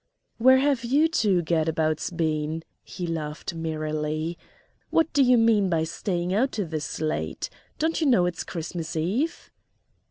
"Where have you two gadabouts been?" he laughed merrily. "What do you mean by staying out this late? Don't you know it's Christmas Eve?"